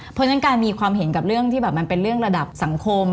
เพราะฉะนั้นการมีความเห็นกับเรื่องที่แบบมันเป็นเรื่องระดับสังคม